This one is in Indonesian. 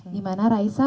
di mana raisa